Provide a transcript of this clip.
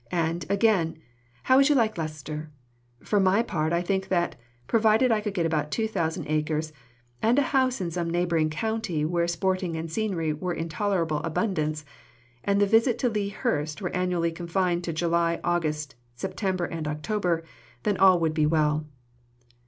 And, again, "How would you like Leicestershire? For my part, I think that, provided I could get about 2000 acres and a house in some neighbouring county where sporting and scenery were in tolerable abundance, and the visit to Lea Hurst were annually confined to July, August, September, and October, then all would be well."